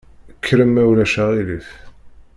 Kkrem ma ulac aɣilif.